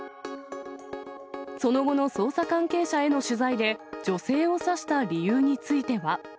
その後の捜査関係者への取材で女性を刺した理由については。